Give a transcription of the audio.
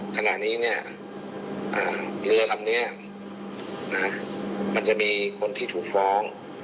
ขณะนี้เนี่ยอ่าพี่เชื่อว่าอันนี้อ่ามันจะมีคนที่ถูกฟ้อง